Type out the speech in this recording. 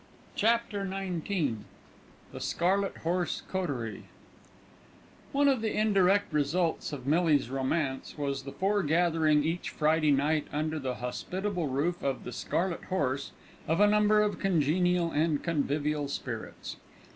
CHAPTER XIX THE SCARLET HORSE COTERIE One of the indirect results of Millie's romance was the foregathering each Friday night under the hospitable roof of the Scarlet Horse of a number of congenial and convivial spirits.